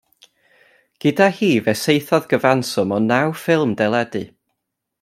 Gyda hi fe saethodd gyfanswm o naw ffilm deledu.